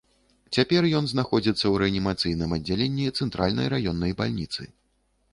Цяпер ён знаходзіцца ў рэанімацыйным аддзяленні цэнтральнай раённай бальніцы.